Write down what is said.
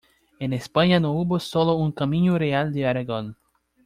En España no hubo solo un Camino Real de Aragón.